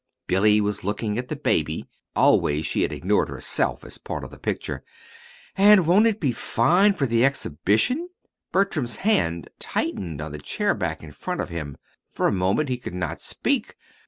Billy was looking at the baby. Always she had ignored herself as part of the picture. "And won't it be fine for the Exhibition!" Bertram's hand tightened on the chair back in front of him. For a moment he could not speak.